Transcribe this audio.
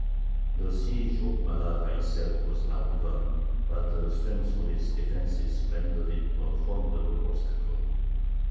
The siege of Malaga itself was now begun, but the strength of its defences rendered it a formidable obstacle.